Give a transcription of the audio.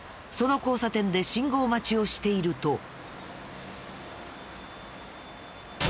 その交差点で信号待ちをしていると。